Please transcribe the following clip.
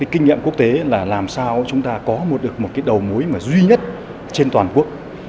kinh nghiệm quốc tế là làm sao chúng ta có được một đầu mối duy nhất trên toàn quốc